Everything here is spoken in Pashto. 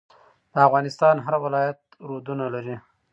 د افغانستان هر ولایت رودونه لري.